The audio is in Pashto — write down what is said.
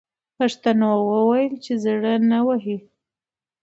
پښتنو وویل چې زړه نه وهي.